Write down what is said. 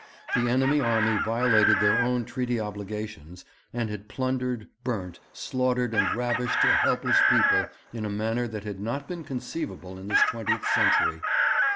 The enemy army violated their own treaty obligations, and had plundered, burnt, slaughtered, and ravished a helpless people in a manner that had not been conceivable in this twentieth century.